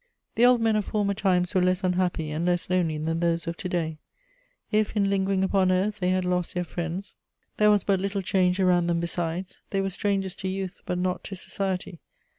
The old men of former times were less unhappy and less lonely than those of to day: if, in lingering upon earth, they had lost their friends, there was but little changed around them besides; they were strangers to youth, but not to society.